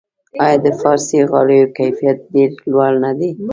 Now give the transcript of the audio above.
آیا د فارسي غالیو کیفیت ډیر لوړ نه دی؟